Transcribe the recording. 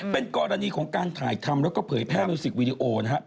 เป็นกรณีของการถ่ายทำแล้วก็เผยแพร่มิวสิกวีดีโอนะครับ